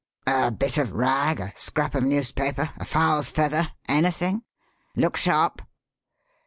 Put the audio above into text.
"A bit of rag, a scrap of newspaper, a fowl's feather anything? Look sharp!"